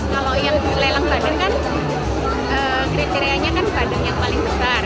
kalau yang lelang bandeng kan kriterianya kan bandeng yang paling besar